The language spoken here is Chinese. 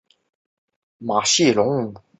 沙特奈马谢龙。